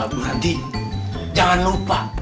buranti jangan lupa